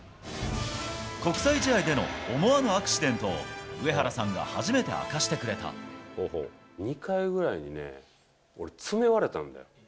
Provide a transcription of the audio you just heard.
国際試合での思わぬアクシデントを、上原さんが初めて明かしてく２回ぐらいにね、俺、爪割れたんだよ。